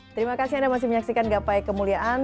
terima kasih anda masih menyaksikan gapai kemuliaan